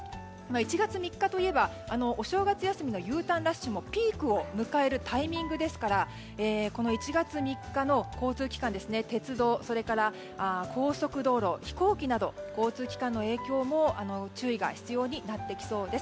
１月３日といえばお正月休みのＵターンラッシュもピークを迎えるタイミングですから、１月３日の交通機関鉄道、それから高速道路飛行機など交通機関の影響も注意が必要になってきそうです。